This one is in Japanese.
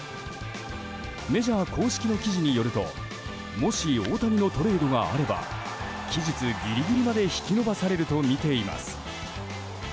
メジャー公式の記事によるともし大谷のトレードがあれば期日ギリギリまで引き延ばされるとみています。